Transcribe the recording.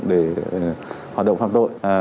để hoạt động phạm tội